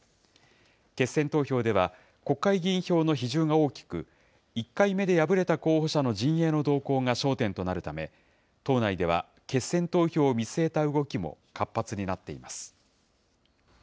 決選投票では、国会議員票の比重が大きく、１回目で敗れた候補者の陣営の動向が焦点となるため、党内では決選投票を見据えた動きも活発になっています。